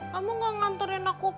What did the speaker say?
kamu gak nganturin aku